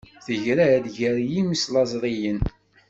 Tegra-d gar yislamẓriyen.